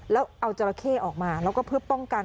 แล้วเอาจราเข้ออกมาแล้วก็เพื่อป้องกัน